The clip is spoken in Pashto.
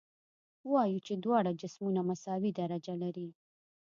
وایو چې دواړه جسمونه مساوي درجه لري.